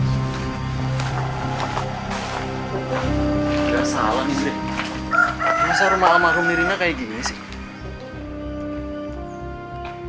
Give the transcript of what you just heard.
tidak salah sih masalah makhluk mirina kayak gini sih